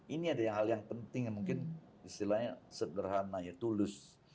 ini ada hal yang penting yang mungkin istilahnya sederhana ya tulus